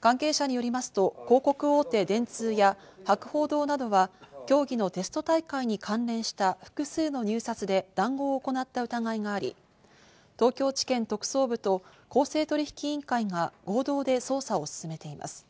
関係者によりますと、広告大手・電通や、博報堂などは、競技のテスト大会に関連した複数の入札で談合を行った疑いがあり、東京地検特捜部と公正取引委員会が合同で捜査を進めています。